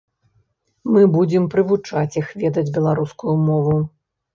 Мы будзем прывучаць іх ведаць беларускую мову.